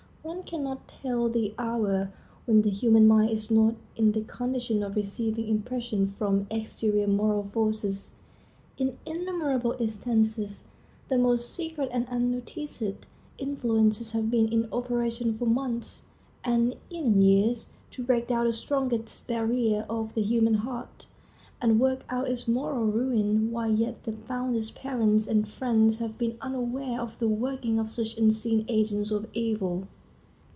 One can not tell the hour when the human mind is not in the condition of receiving impressions from exterior moral forces. In innumerable instances the most secret and unnoticed influences have been in operation for months, and even years, to break down the strongest barriers of the human heart, and work out its moral ruin while yet the fondest parents and friends have been unaware of the working of such unseen agents of evil.